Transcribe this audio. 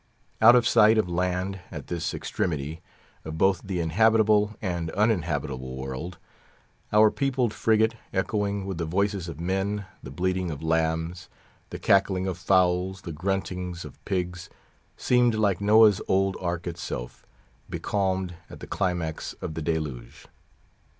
Out of sight of land, at this extremity of both the inhabitable and uninhabitable world, our peopled frigate, echoing with the voices of men, the bleating of lambs, the cackling of fowls, the gruntings of pigs, seemed like Noah's old ark itself, becalmed at the climax of the Deluge.